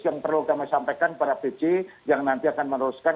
yang perlu kami sampaikan kepada pc yang nanti akan meneruskan